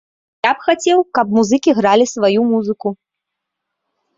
Я б хацеў, каб музыкі гралі сваю музыку.